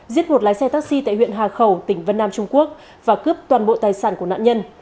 giết một lái xe taxi tại huyện hà khẩu tỉnh vân nam trung quốc và cướp toàn bộ tài sản của nạn nhân